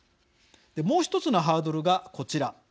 もう１つのハードルがこちら。